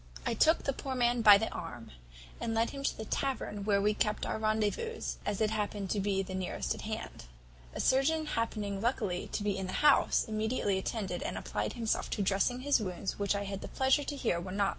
"I took the poor man by the arm, and led him to the tavern where we kept our rendezvous, as it happened to be the nearest at hand. A surgeon happening luckily to be in the house, immediately attended, and applied himself to dressing his wounds, which I had the pleasure to hear were not likely to be mortal.